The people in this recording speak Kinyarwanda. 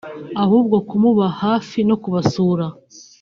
ahubwo kumuba hafi no kubasura